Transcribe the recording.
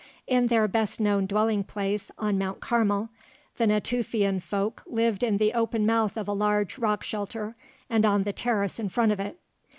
In their best known dwelling place, on Mount Carmel, the Natufian folk lived in the open mouth of a large rock shelter and on the terrace in front of it.